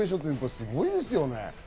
すごいですね。